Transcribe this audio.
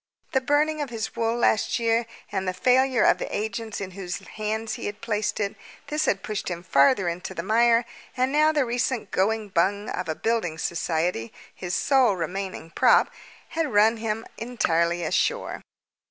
The burning of his wool last year, and the failure of the agents in whose hands he had placed it, this had pushed him farther into the mire, and now the recent "going bung" of a building society his sole remaining prop had run him entirely ashore.